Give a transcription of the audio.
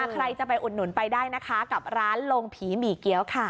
ใครจะไปอุดหนุนไปได้นะคะกับร้านลงผีหมี่เกี้ยวค่ะ